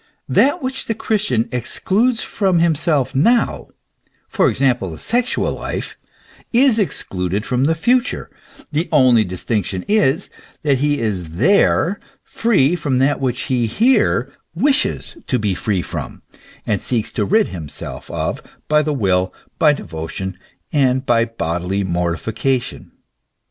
That which the Christian excludes from himself now for example, the sexual life is excluded from the future : the only distinc tion is, that he is there free from that which he here wishes to be free from, and seeks to rid himself of by the will, by devo tion, and by bodily mortification.